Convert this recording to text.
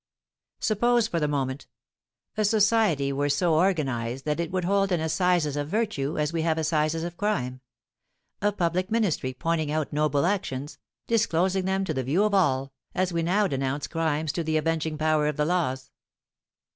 Suppose, for the moment, a society were so organised that it would hold an assizes of virtue, as we have assizes of crime, a public ministry pointing out noble actions, disclosing them to the view of all, as we now denounce crimes to the avenging power of the laws.